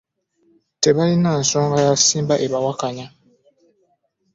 Tebalina nsonga ya ssimba ebaawukanya.